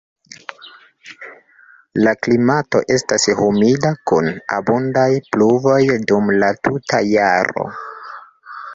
La klimato estas humida kun abundaj pluvoj dum la tuta jaro.